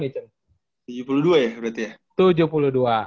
tujuh puluh dua ya berarti ya